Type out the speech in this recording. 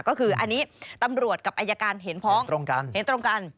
ก็คืออันนี้ตำรวจกับอายการเห็นพ้องตรงกันเห็นตรงกัน